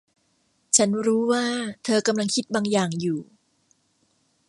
ฉันรู้ว่าเธอกำลังคิดบางอย่างอยู่